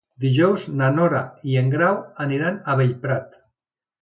Dijous na Nora i en Grau aniran a Bellprat.